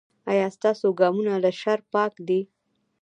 ایا ستاسو ګامونه له شر پاک دي؟